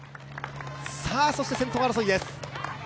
そして先頭争いです。